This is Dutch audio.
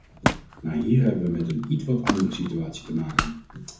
Maar hier hebben we met een ietwat andere situatie te maken.